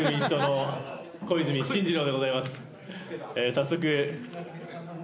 早速。